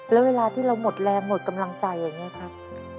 แล้วเวลาที่เราหมดแรงหมดกำลังใจอย่างนี้ครับ